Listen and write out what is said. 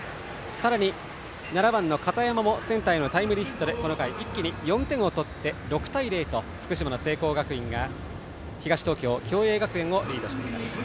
さらに７番の片山もセンターへのタイムリーヒットでこの回、一気に６点を取って６対０と福島の聖光学院が東東京・共栄学園をリードしています。